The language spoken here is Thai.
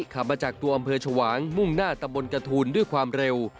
ขับมาจากตัวอำเภอชวางมุ่งหน้าตะบนกระทูลด้วยความเร็ว